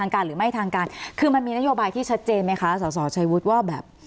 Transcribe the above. คือมันมีนโยบายที่ชัดเจนไหมคะสาวชัยวุฒิว่าแบบ